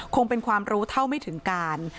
คงเป็นความรู้เท่าไม่ถึงการ